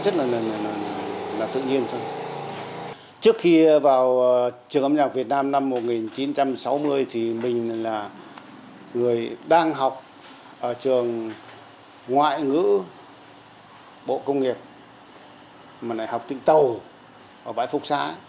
trước khi vào trường âm nhạc việt nam năm một nghìn chín trăm sáu mươi thì mình là người đang học ở trường ngoại ngữ bộ công nghiệp mà lại học tỉnh tàu ở bãi phúc xã